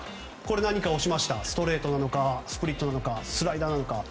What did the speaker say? ストレートなのかスプリットなのかスライダーなのか。